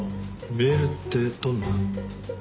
メールってどんな？